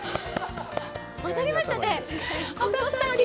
当たりましたね。